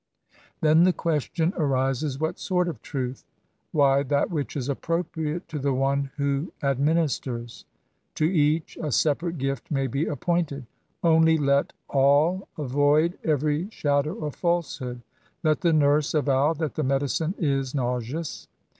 Then the question arises, what sort of truth ? Why, that which is appropriate to the one who administers. To each a separate gifk may be appointed. Only let all avoid every shadow of falsehood. Let the nurse avow that the medicine is nauseous.